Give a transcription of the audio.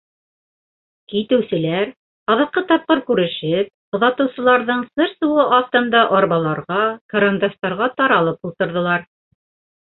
Китеүселәр, аҙаҡҡы тапҡыр күрешеп, оҙатыусыларҙың сыр-сыуы аҫтында арбаларға, кырандастарға таралып ултырҙылар.